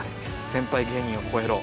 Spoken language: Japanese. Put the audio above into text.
先輩芸人をこえろ！」。